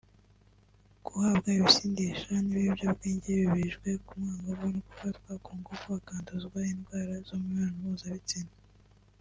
guhabwa ibisindisha n’ibiyobyabwenge bibijijwe ku mwangavu no gufatwa ku ngufu akanduzwa indwara zo mu mibonano mpuzabitsina